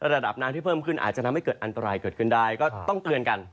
ระดับน้ำที่เพิ่มขึ้นอาจจะทำให้เกิดอันตรายเกิดขึ้นได้ก็ต้องเตือนกัน